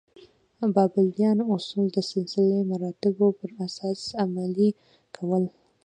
بابلیان اصول د سلسله مراتبو پر اساس عملي کول.